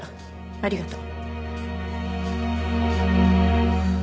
ありがとう。